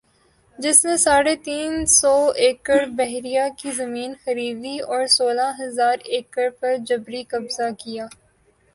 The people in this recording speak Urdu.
جس نے ساڑھے تین سو ایکڑبحریہ کی زمین خریدی اور سولہ ھزار ایکڑ پر جبری قبضہ کیا